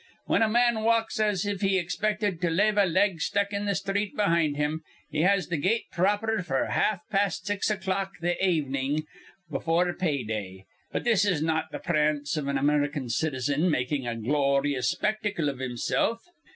Whin a man walks as if he expected to lave a leg stuck in th' sthreet behind him, he has th' gait proper f'r half past six o'clock th' avenin' before pay day. But 'tis not th' prance iv an American citizen makin' a gloryous spectacle iv himsilf."